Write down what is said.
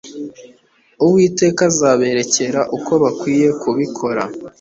uwiteka azaberekera uko bakwiriye kubikora